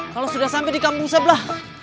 kalau sudah sampai di kampung sebelah